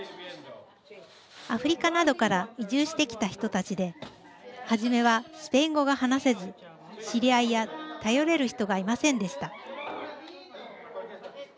アフリカなどから移住してきた人たちではじめはスペイン語が話せず知り合いや頼れる人がいませんでした。